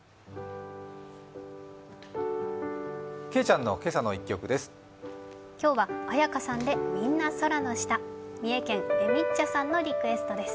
けいちゃんの今朝の１局です。